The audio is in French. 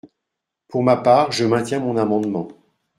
Pour ma part, je maintiens mon amendement.